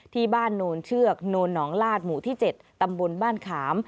ที่บ้านโนนเชือกโนนหนองลาดหมู่ที่๗ตำบลบ้านขาม